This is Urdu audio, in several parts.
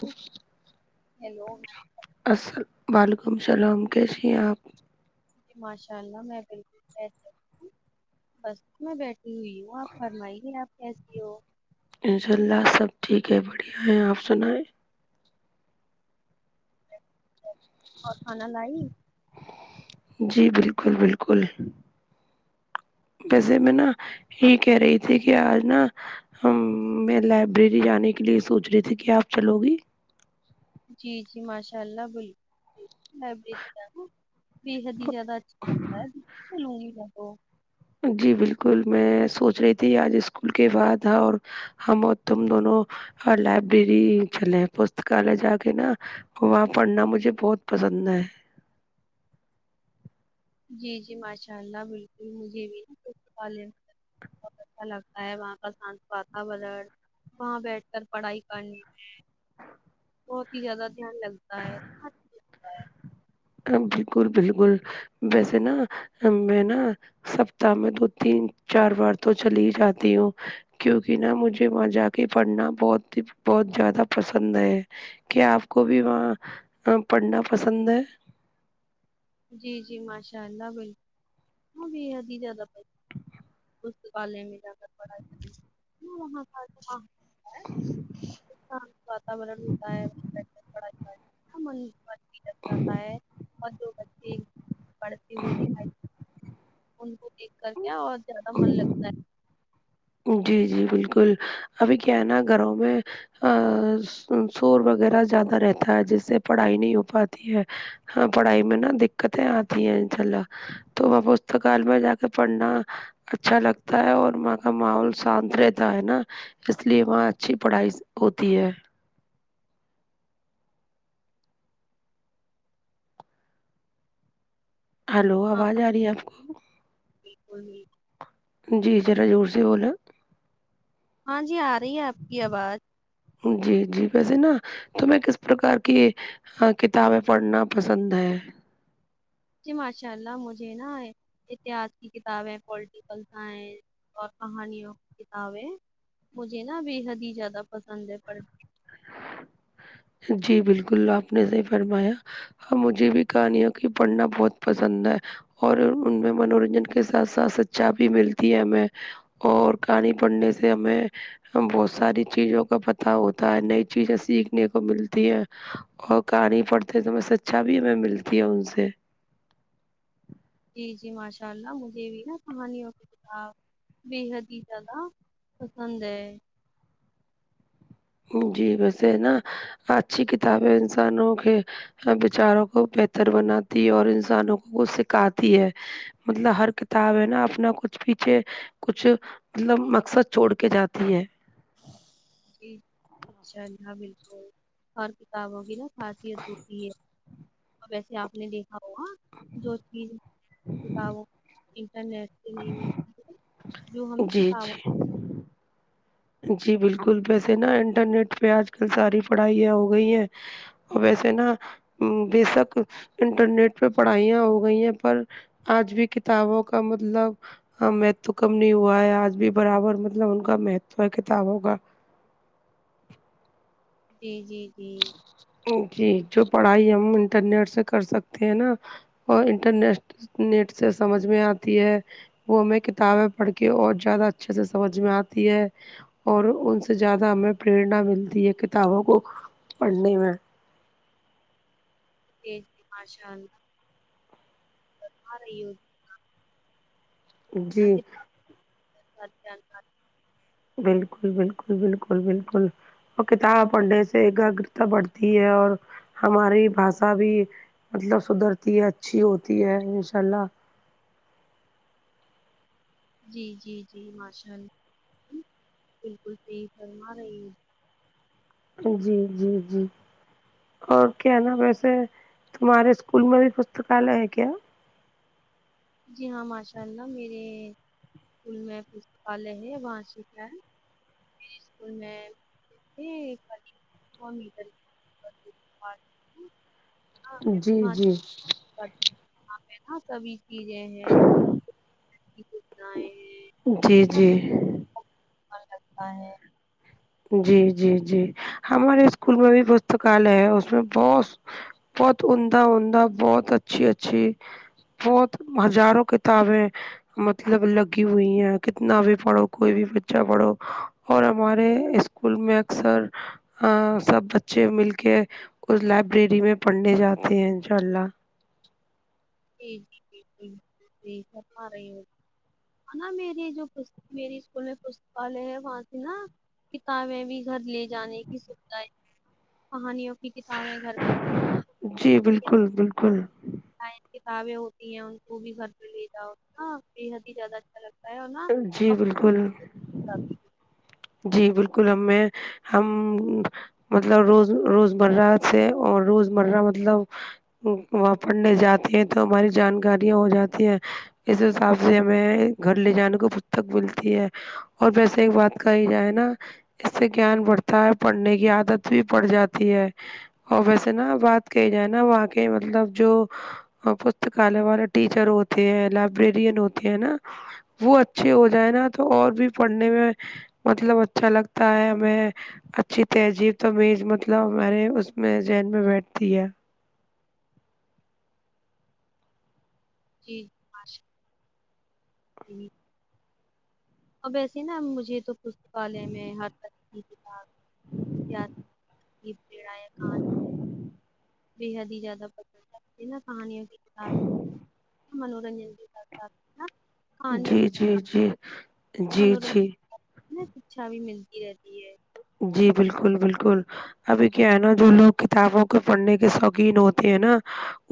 وہ ہیلو السل وعلیکم السلام کیسی ہیں آپ ماشاء اللہ میں بالکل بہتر بس میں بیٹھی ہوئی ہوں آپ فرمائیے آپ کیسی ہو انشاء اللہ سب ٹھیک ہے بڑھیا ہے آپ سنائیں اور کھانا لائی جی بالکل بالکل ویسے میں نا یہ کہہ رہی تھی کہ آج نا میں لائبریری جانے کے لیے سوچ رہی تھی کہ آپ چلو گی جی جی ماشاء اللہ بل لائبریری کا بے حد ہی زیادہ اچھا لگتا ہے چلوں گی جی بالکل میں سوچ رہی تھی آج اسکول کے بعد اور ہم اور تم دونوں لائبریری چلے ہیں پستکال جا کے نا وہاں پڑھنا مجھے بہت پسند ہے جی جی ماشاء اللہ بالکل مجھے بھی بہت اچھا لگتا ہے وہاں کا واتورن وہاں بیٹھ کر پڑھائی کرنی ہے بہت ہی زیادہ دھیان لگتا ہےتا بالکل بالکل ویسے نا میں نا سپتا میں دو تین چار بار تو چلی ہی جاتی ہوں کیونکہ نا مجھے وہاں جاکے پڑھنا بہت ہی بہت زیادہ پسند ہے کہ آپ کو بھی وہاں پڑھنا پسند ہے جی جی ماشاء اللہ بالکل وہ بھی ادھی زیاد پر پستایہ میں جا کر پڑھا کام کا واتا وارن ہوتا ہے [inaudible] جاتا ہے اور دو بچے پڑھتے ہوئے دکھائے [inaudible] ان کو دیکھ کر کیا اور زیادہ من لگتا ہے جی جی بالکل ابھی کیا ہے نا گھروں میں ا شور وغیرہ زیادہ رہتا ہے جس سے پڑھائی نہیں ہو پاتی ہے ہاں پڑھائی میں نا دقتیں آتی ہیں انشاء اللہ تو وہاں پستکال میں جا کے پڑھنا اچھا لگتا ہے اور ماں کا کا ماحول شانت رہتا ہے نا اس لیے وہاں اچھی پڑھائی ہوتی ہے ہلو ہاں آواز آ رہی ہے آپ کو [inaudible] جی ذرا جور سے بولو ہاں جی آ رہی ہے آپ کی آواز جی جی ویسے نا تو میں کس پرکار کی ہ کتابیں پڑھنا پسند ہے جی ماشاء اللہ مجھے نا اتحاد کی کتابیں پولٹیکل سائنس اور کہانیوں کتابیں مجھے نا بے حد ہی زیادہ پسند ہے پھ جی بالکل آپ نے صحیح فرمایا اور مجھے بھی کہانیوں کی پڑھنا بہت پسند ہے اور ان میں منورنجن کے ساتھ ساتھ سچ چا بھی ملتی ہے ہمیں اور کہانی پڑھنے سے ہمیں بہت ساری چیزوں کا پتہ ہوتا ہے نئی چیزیں سیکھ نے کو ملتی ہے اور کہانی پڑھتے تو میں سے اچھا بھی ہمیں ملتی ہے ان سے جی جی ماشاء اللہ مجھے بھی نا کہانیوں کے خلاف بےحد ہی زیادہ پسند ہے جی ویسے نا اچھی کتاب ہے انسانوں کے بچاروں کو بہتر بناتی ہے اور انسانوں کو سکھاتی ہے مطلب ہر کتاب ہے نا اپنا کچھ پیچھے کچھ مطلب مقصد چھوڑ کے جاتی ہیں جی انشاء اللہ بالکل اور کتاب وغی ن خاصیت ہوتی ہے اور ویسے آپ نے دیک جو چیز [inaudible] نہیں جو ہم جی کتابوں جی جی بالکل ویسے نا انٹرنیٹ پہ آج کل ساری پڑھائیاں ہو گئی ہیں اور ویسے نا بےشک انٹرنیٹ پہ پڑھائیاں ہو گئی ہیں پر آج بھی کتابوں کا مطلب ہاں متو کم نہیں ہوا ہے آج بھی برابر مطلب ان کا مہتو ہے کتابوں کا جی جی جی جی جو پڑھائی ہم انٹرنیٹ سے کر سکتے ہیں نا اور انٹرنیسٹ نیٹ سے سمجھ میں آتی ہے وہ ہمیں کتابیں پڑھ کے اور زیادہ اچھے سے سمجھ میں آتی ہے اور ان سے زیادہ ہمیں پریرنا ملتی ہے کتابوں کو پڑھنے میں ج ماشاء اللہ نہ جی کتابوں [unintelligible] بالکل بالکل بالکل بالکل اور کتاب پڑھنے سے اگرتا بڑھتی ہے اور ہماری بھشا بھی مطلب سدھرتی ہے اچھی ہوتی ہے ان شاء اللہ جی جی جی ماشاء اللہ بالکل ٹھیک فرما رہی ہ جی جی جی اور کیا نا ویسے تمہارے اسکول میں بھی پستکالیہ ہے کیا جی ہاں ماشاء اللہ میرے اسکول میں پستکالیہ ہے وہاں سھا ہے میرے اسکول میں [inaudible] ہاں میں جی تماں جی نا سبھی چیزیں ہیں فضائیں ہیں جی مطلب جی اچھا لگتا ہے جی جی جی ہمارے اسکول میں بھی پستکالیہ ہے اس میں بہت بہت عمدہ عمدہ بہت اچھی اچھی بہت ہزاروں کتابیں مطلب لگی ہوئی ہیں کتنا بھی پڑھو کوئی بھی بچہ پڑھو اور ہمارے اسکول میں اکثر ہاں سب بچے مل کے اس لائبریری میں پڑھنے جاتے ہیں ان شاء اللہ جی جی بالکل ساہی فرما رہی ہے نا میری جو میری اسکول میں پستکالیہ ہے وہاں سے نا کتابیں بھی گھر لے جانے کی سوھا کہانیوں کی کتابیں گھر جی بالکل بالکل سائن کتابیں ہوتی ہیں ان کو بھی گھر پہ لے جاؤ نا بےحد ہی زیادہ اچھا لگتا جی بالکل [unintelligible] جی بالکل ہم میں ہم مطلب روز روزمرہ سے اور روزمرہ مطلب وہاں پڑھنے جاتے ہیں تو ہماری جانکاریاں ہو جاتی ہیں اس حساب سے ہمیں گھر لے جانے کو پستک ملتی ہے اور ویسے ایک بات کہی جائے نا اس سے گیان بڑھتا ہے پڑھنے کی عادت بھی پڑھ جاتی ہے اور ویسے نا بات کہی جائے نا وہاں کے مطلب جو اور پستکالے والے ٹیچر ہوتے ہیں لائبریرین ہوتے ہیں نا وہ اچھے ہو جائے نا تو اور بھی پڑھنے میں مطلب اچھا لگتا ہے ہمیں اچھی تہذیب تمیز مطلب ہمارے اس میں ذہن میں بیٹھتی ہے جی شا جی اور ویسے نا مجھے تو پستکالیہ میں ہر طرح کی کتاب [unintelligible] ا کان بے حد ہی زیادہ پسندہے ہوتی ہے نہ کہانیوں کی کتاب منورنجن دیتا [unintelligible] جی جی جی جی جی میں شکچھا بھی ملتی رہتی ہے جی بالکل بالکل ابھی کیا ہے نا جو لوگ کتابوں کے پڑھنے کے شوقین ہوتے ہیں نا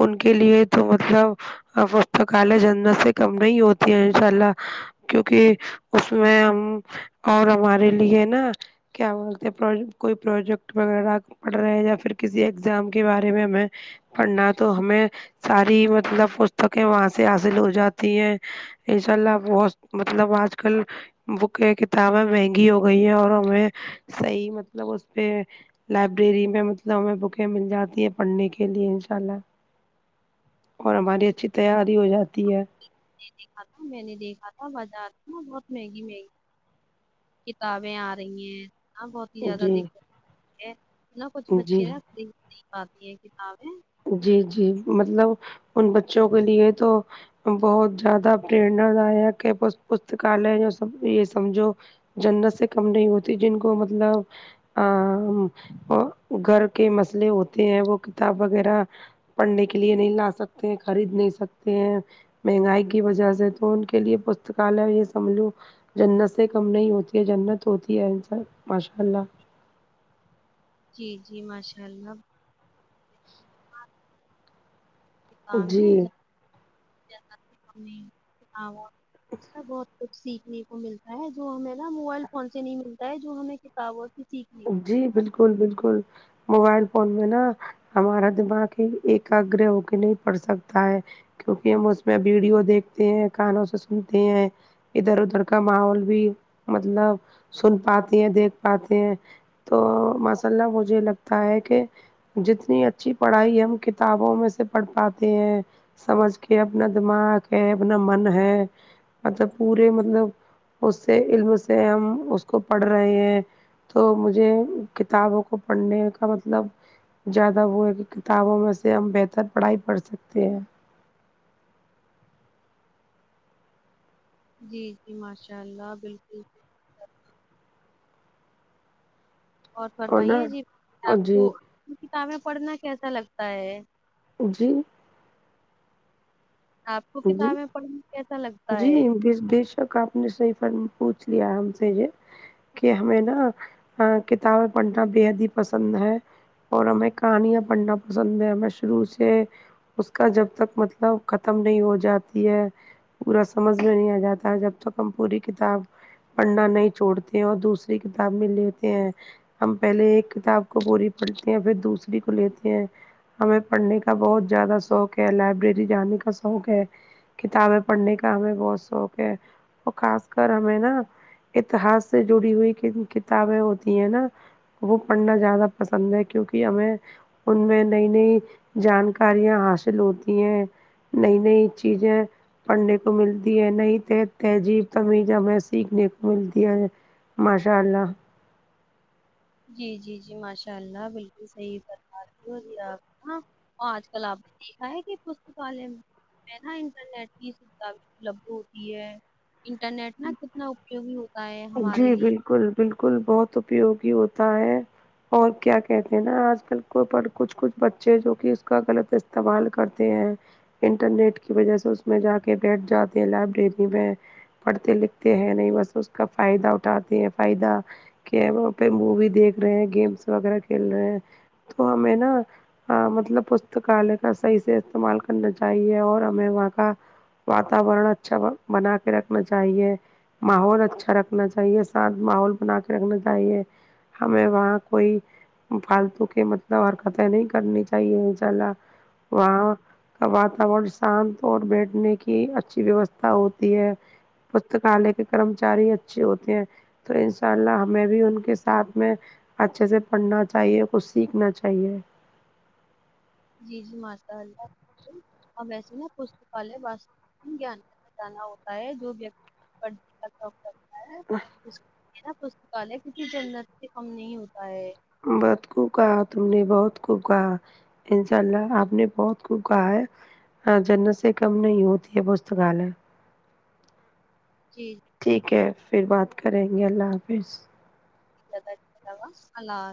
ان کے لیے تو مطلب ا پستکالیہ جنت سے کم نہیں ہوتی ہے انشاء اللہ کیونکہ اس میں ہم اور ہمارے لیے نا کیا بولتے ہیں کوئی پروجیکٹ وغیرہ پڑ رہے ہیں یا پھر کسی ایگزام کے بارے میں ہمیں پڑھنا تو ہمیں ساری مطلب پستکیں وہاں سے حاصل ہو جاتی ہیں انشا اللہ بہت مطلب آج کل بک کتابیں مہنگی ہو گئی ہیں اور ہمیں صحیح مطلب اس پہ لائبریری میں مطلب ہمیں بکیں مل جاتی ہیں پڑھنے کے لیے انشاء اللہ اور ہماری اچھی تیاری ہو جاتی ہے دیکھا تھا میں نے دیکھا تھا بازار میں نہ بہت مہنگی مہنگی کتابیں آ رہی ہیں ہاں بہت ہی زیادہ جی دککت ہوتی ہے نہا کچھ جی بچے نا دیکھ نہیں پاتے ہے کتابیں جی جی مطلب ان بچوں کے لیے تو بہت زیادہ پرنا دائک ہے پستکالے جو سب یہ سمجھو جنت سے کم نہیں ہوتی جن کو مطلب ا گھر کے مسئلے ہوتے ہیں وہ کتاب وغیرہ پڑھنے کے لیے نہیں لا سکتے ہیں خرید نہیں سکتے ہیں مہنگائی کی وجہ سے تو ان کے لیے پستکالیہ یہ سمجھو جنت سے کم نہیں ہوتی ہے جنت ہوتی ہے انسان ماشاء اللہ جی جی ماشاءاللہ [unintelligible] [unintelligible] جی سیکھنے کو ملتا ہے جو ہمیں نا موبائل فون سے نہیں ملتا ہے جو ہمیں تا وہ تو ٹھیک ہے جی بالکل بالکل موبائل فون میں نا ہمارا دماغ ایک ساتھ گرا ہو کے نہیں پڑ سکتا ہے کیونکہ ہم اس میں ویڈیو دیکھتے ہیں کانوں سے سنتے ہیں ادھر ادھر کا ماحول بھی مطلب سن پاتے ہیں دیکھ پاتے ہیں تو ماشاء اللہ مجھے لگتا ہے کہ جتنی اچھی پڑھائی ہم وہ کتابوں میں سے پڑھ پاتے ہیں سمجھ کے اپنا دماغ ہے اپنا من ہے مطلب پورے مطلب اس سے علم سے ہم اس کو پڑھ رہے ہیں تو مجھے کتابوں کو پڑھنے کا مطلب زیادہ وہ ہے کہ کتابوں میں سے ہم بہتر پڑھائی پڑھ سکتے ہیں جی جی ماشاء اللہ بالکل اور فرمائیے جی آپ جی کو کتابیں پڑھنا کیسا لگتا ہے جی آپ کو کتابیں پڑھنے کیسا لگتا ہے بیس بیس تو آپ نے صحیح فرمایا پوچھ لیا ہم سے یہ کہ ہمیں نا کتابیں پڑھنا بے حد ہی پسند ہے اور ہمیں کہانیاں پڑھنا پسند ہے ہمیں شروع سے اس کا جب تک مطلب ختم نہیں ہو جاتی ہے پورا سمجھ میں نہیں آجاتا ہے جب تک ہم پوری کتاب پڑھنا نہیں چھوڑتے ہیں اور دوسری کتاب میں لیتے ہیں ہم پہلے ایک کتاب کو پوری پڑھتے ہیں پھر دوسری کو لیتے ہیں ہمیں پڑھنے کا بہت زیادہ شوق ہے لائبریری جانے کا شوق ہے کتابیں پڑھنے کا ہمیں بہت شوق ہے اور خاص کر ہمیں نا اتحاس سے جڑی ہوئی کت کتابیں ہوتی ہیں نا وہ پڑھنا زیادہ پسند ہے کیونکہ ہمیں ان میں نئی نئی جانکاریاں حاصل ہوتی ہیں نئی نئی چیزیں پڑھنے کو ملتی ہے نئ تہذیب تمیز ہمیں سیکھنے کو ملتی ہے ماشاء اللہ جی جی جی ماشاء اللہ بالکل صحیح فرمارہی ہے باجی آپ آج کل آپ نے دیکھا ہے کہ پستالیہ میں ہنا انٹرنیٹ کی لایف میں طلب ہوتی ہے انٹرنیٹ ہینا کتنا اپیوگی ہوتا ہے ہمارے جی لیے بالکل بالکل بہت اپیوگی ہوتا ہے اور کیا کہتے ہیں نا آج کل کو کچھ کچھ بچے جو کہ اس کا غلط اس استمعال کرتے ہیں انٹرنیٹ کی وجہ سے اس میں جا کے بیٹھ جاتے ہیں لائبریری میں پڑھتے لکھتے ہیں نہیں بس اس کا فائدہ اٹھاتے ہیں فائدہ کیمروں پہ مووی دیکھ رہے گیمس وغیرہ کھیل رہے ہیں تو ہمیں نا مطلب پستکالے کا صحیح سے استعمال کرنا چاہیے اور ہمیں وہاں کا واتاورن اچھا بنا کے رکھ نا چاہیے ماحول اچھا رکھنا چاہیے صاف ماحول بنا کے رکھنا چاہیے ہمیں وہاں کوئی پھالتو کے مطلب حرکتیں نہیں کرنی چاہیے انشاء اللہ وہاں واتاورن شام کو دیکھنے کی اچھی ویوستہ ہوتی ہے پستکالے کے کرمچاری اچھے ہوتے ہیں تو انشاءاللہ ہمیں بھی ان کے ساتھ میں اچھے سے پڑھنا چاہیے کچھ سیکھنا چاہیے جی جی ماشاء اللہ اور ویسے نا پستکالیہ بس دین گیان کا خزانہ ہوتا ہے جو ویکتی [unintelligible] آ پس پشتکالے کے بھی جنت سے کم نہیں ہوتا ہے بہت خوب کہا تم نے بہت خوب کہا انشاء اللہ آپ نے بہت خوب کہا ہے ہاں جنت سے کم نہیں ہوتی ہے پستکالیہ جی ٹھیک ہے پھر بات کریں گے اللہ حافظ اللہ